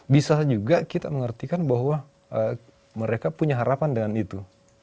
bisa juga kita mengertikan bahwa mereka punya harapan dengan itu